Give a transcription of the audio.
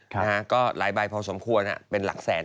นะฮะก็หลายใบพอสมควรเป็นหลักแสน